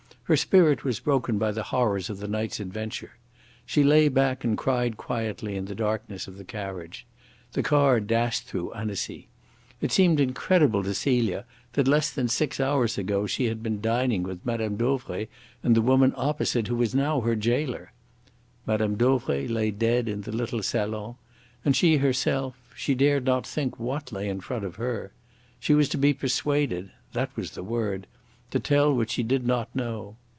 Her spirit was broken by the horrors of the night's adventure. She lay back and cried quietly in the darkness of the carriage. The car dashed through Annecy. It seemed incredible to Celia that less than six hours ago she had been dining with Mme. Dauvray and the woman opposite, who was now her jailer. Mme. Dauvray lay dead in the little salon, and she herself she dared not think what lay in front of her. She was to be persuaded that was the word to tell what she did not know.